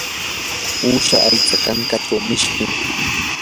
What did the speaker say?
uusha aycha kankachaw mishkim.